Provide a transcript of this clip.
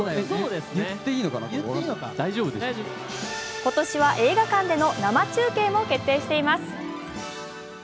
今年は映画館での生中継も決定しています。